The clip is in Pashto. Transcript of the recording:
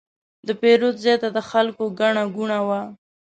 د پیرود ځای ته د خلکو ګڼه ګوڼه وه.